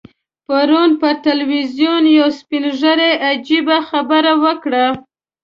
پرون پر ټلویزیون یو سپین ږیري عجیبه خبره وکړه.